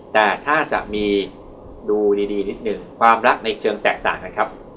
แต่ถ้าจะมีดูดีนิดนึงความรักในเชิงแตกต่างกันครับ